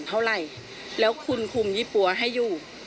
เท่าไหร่แล้วคุณคุมยี่ปั๊วให้อยู่